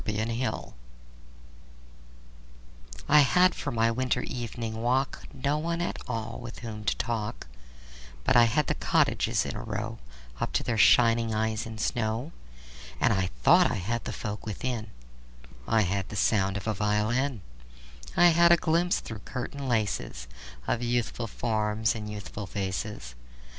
Good Hours I HAD for my winter evening walk No one at all with whom to talk, But I had the cottages in a row Up to their shining eyes in snow. And I thought I had the folk within: I had the sound of a violin; I had a glimpse through curtain laces Of youthful forms and youthful faces.